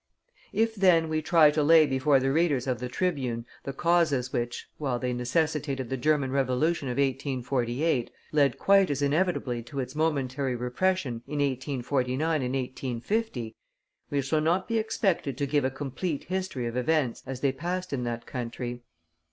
If, then, we try to lay before the readers of The Tribune the causes which, while they necessitated the German Revolution of 1848, led quite as inevitably to its momentary repression in 1849 and 1850, we shall not be expected to give a complete history of events as they passed in that country.